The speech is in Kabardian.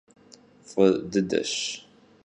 F'ı dıdeş.